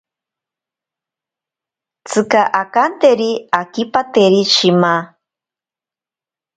Tsika akanteri akipateri shima.